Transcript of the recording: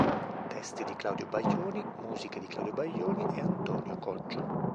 Testi di Claudio Baglioni, musiche di Claudio Baglioni e Antonio Coggio.